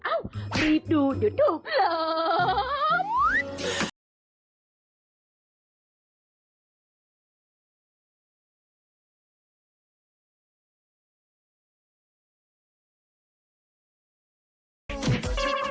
อ้าวรีบดูเดี๋ยวถูกล้อม